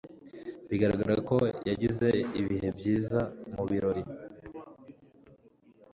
Bigaragara ko yagize ibihe byiza mubirori